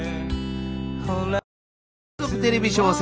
連続テレビ小説